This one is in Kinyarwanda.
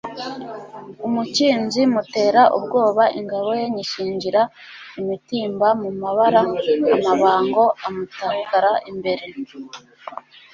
umukinzi mutera ubwoba ingabo ye nyishingira imitimba mu mabara, amabango amutakara imbere;